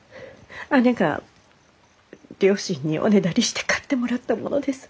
姉が両親におねだりして買ってもらったものです。